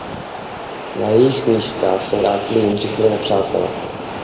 Na jejich místa se vrátili Jindřichovi nepřátelé.